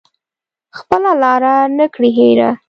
خپله لاره نه کړي هیره